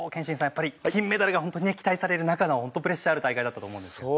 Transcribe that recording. やっぱり金メダルが期待される中の本当プレッシャーある大会だったと思うんですけど。